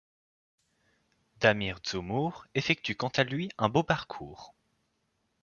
Damir Džumhur effectue quant à lui un beau parcours.